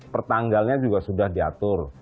pertanggalnya juga sudah diatur